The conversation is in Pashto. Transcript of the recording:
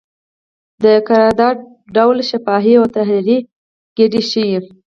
د قرارداد ډول شفاهي او تحریري کیدی شي.